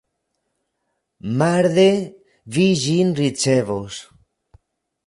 Marde vi ĝin ricevos.